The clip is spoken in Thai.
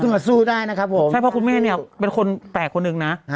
ใช่เพราะครูแม่เนี่ยเป็นคนแปลกคนหนึ่งนะ